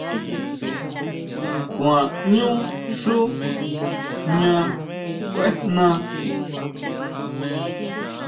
Kuaʼñu xú jña kuejna.